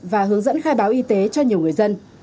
và hướng dẫn khai báo y tế cho nhiều người dân